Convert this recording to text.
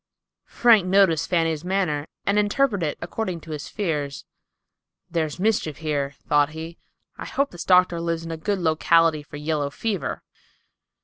Frank noticed Fanny's manner, and interpreted it according to his fears. "There's mischief here," thought he. "I hope this doctor lives in a good locality for yellow fever."